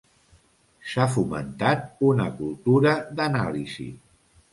S'ha fomentat una cultura d'anàlisi.